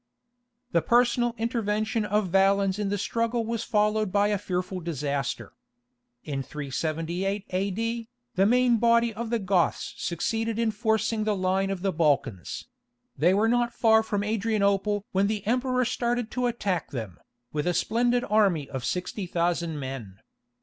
The personal intervention of Valens in the struggle was followed by a fearful disaster. In 378 A.D., the main body of the Goths succeeded in forcing the line of the Balkans; they were not far from Adrianople when the Emperor started to attack them, with a splendid army of 60,000 men.